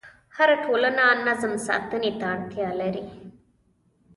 هره ټولنه نظم ساتنې ته اړتیا لري.